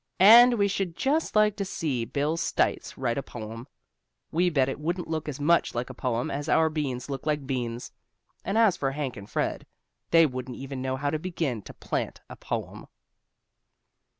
And we should just like to see Bill Stites write a poem. We bet it wouldn't look as much like a poem as our beans look like beans. And as for Hank and Fred, they wouldn't even know how to begin to plant a poem!